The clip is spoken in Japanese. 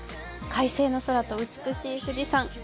快晴の空と美しい富士山。